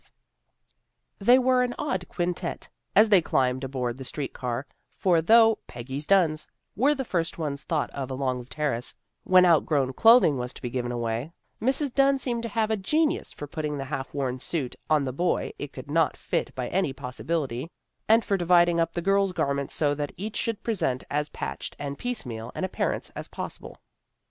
318 THE GIRLS OF FRIENDLY TERRACE They were an odd quintet, as they climbed aboard the street car, for though " Peggy's Dunns " were the first ones thought of along the Terrace when outgrown clothing was to be given away, Mrs. Dunn seemed to have a genius for putting the half worn suit on the boy it could not fit by any possibility, and for dividing up the girls' garments so that each should present as patched and piecemeal an appearance as possible.